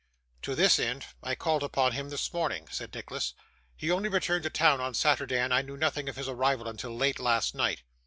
'To this end, I called upon him this morning,' said Nicholas. 'He only returned to town on Saturday, and I knew nothing of his arrival until late last night.